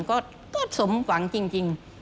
ก็สมหวังจริง